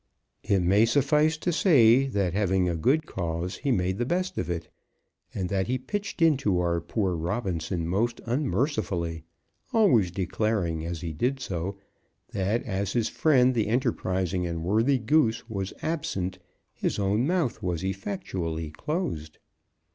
It may suffice to say that having a good cause he made the best of it, and that he pitched into our poor Robinson most unmercifully, always declaring as he did so that as his friend the enterprising and worthy Goose was absent, his own mouth was effectually closed.